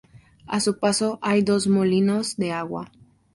A su paso hay dos molinos de agua.